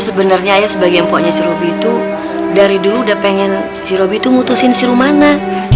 sebenarnya sebagai empoknya the saya itu dari dulu udah pengen l sobie itu mutlukan sirumana